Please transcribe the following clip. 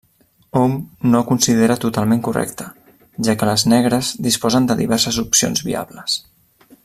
Hom no el considera totalment correcte, ja que les negres disposen de diverses opcions viables.